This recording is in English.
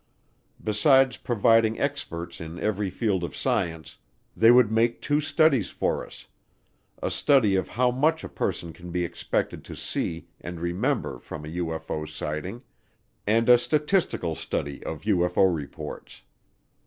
Besides providing experts in every field of science, they would make two studies for us; a study of how much a person can be expected to see and remember from a UFO sighting, and a statistical study of UFO reports.